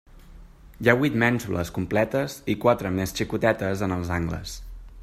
Hi ha huit mènsules completes i quatre, més xicotetes, en els angles.